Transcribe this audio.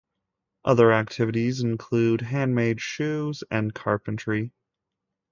Other activities include handmade shoes and carpentry.